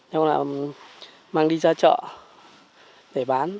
nhưng mà mang đi ra chợ để bán